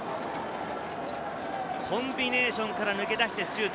コンビネーションから抜け出してシュート。